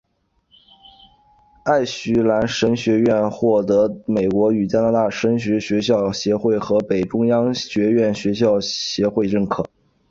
爱许兰神学院或得美国与加拿大神学学校协会和北中央学院学校协会认可。